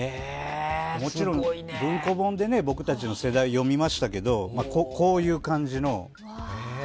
もちろん文庫本で僕たちの世代は読みましたけどこういう感じの。